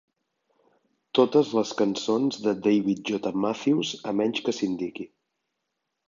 Totes les cançons de David J. Matthews a menys que s'indiqui.